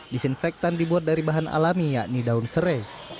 disinfektan dibuat dari bahan alami yakni daun serai